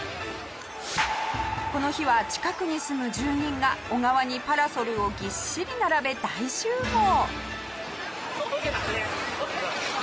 この日は近くに住む住人が小川にパラソルをぎっしり並べ大集合！